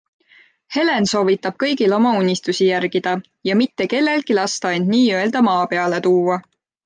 Helen soovitab kõigil oma unistusi järgida ja mitte kellelgi lasta end nii-öelda maa peale tuua.